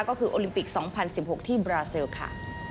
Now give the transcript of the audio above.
ก็คือโอลิมปิก๒๐๑๖ที่บราเซลค่ะ